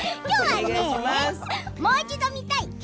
きょうは「もう一度見たい！